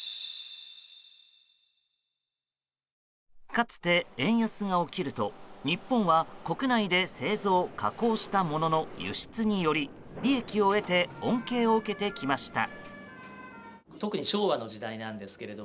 かつて、円安が起きると日本は国内で製造・加工したものの輸出により、利益を得て恩恵を受けてきました。